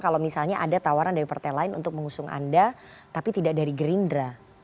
kalau misalnya ada tawaran dari partai lain untuk mengusung anda tapi tidak dari gerindra